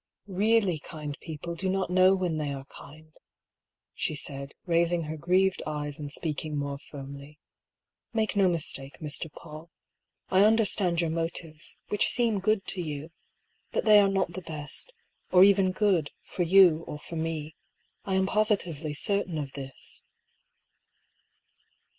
^^Redlly kind people do not know when they are kind," she said, raising her grieved eyes and speaking more firmly. " Make no mistake, Mr. PauU. I under stand your motives, which seem good to you. But they are not the best, or even good, for you or for me. I am positively certain of this."